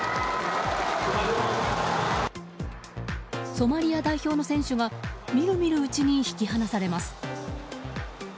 ソマリア代表の選手がみるみるうちに引き離されます。